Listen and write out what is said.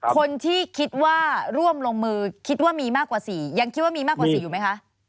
คนที่คิดว่าร่วมลงมือคิดว่ามีมากกว่า๔ยังคิดว่ามีมากกว่า๔อยู่ไหมคะ